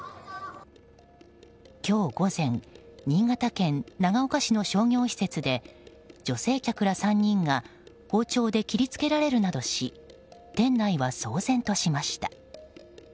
今日午前新潟県長岡市の商業施設で女性客ら３人が包丁で切り付けられるなどし店内は騒然としました。